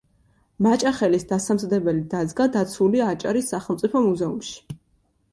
მაჭახელის დასამზადებელი დაზგა დაცულია აჭარის სახელმწიფო მუზეუმში.